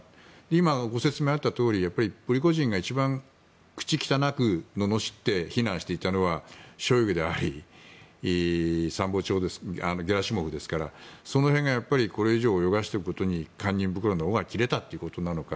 今、ご説明があったとおりプリゴジンが一番、口汚くののしって非難していたのはショイグでありゲラシモフですからその辺が、これ以上泳がせていくことに堪忍袋の緒が切れたということなのか。